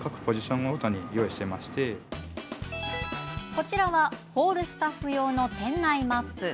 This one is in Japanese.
こちらはホールスタッフ用の店内マップ。